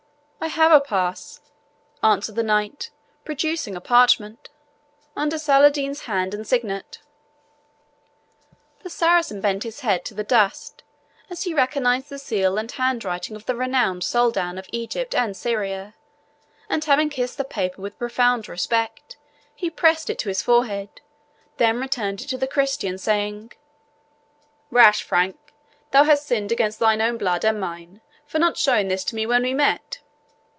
"I have a pass," answered the Knight, producing a parchment, "Under Saladin's hand and signet." The Saracen bent his head to the dust as he recognized the seal and handwriting of the renowned Soldan of Egypt and Syria; and having kissed the paper with profound respect, he pressed it to his forehead, then returned it to the Christian, saying, "Rash Frank, thou hast sinned against thine own blood and mine, for not showing this to me when we met."